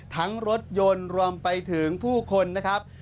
รถยนต์รวมไปถึงผู้คนนะครับ